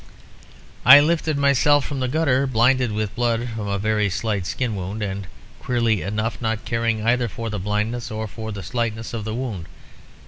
"I lifted myself from the gutter, blinded with blood from a very slight skin wound, and, queerly enough, not caring either for the blindness or for the slightness of the wound.